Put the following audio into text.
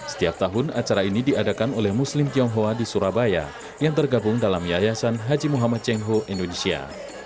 setiap tahun acara ini diadakan oleh muslim tionghoa di surabaya yang tergabung dalam yayasan haji muhammad cengho indonesia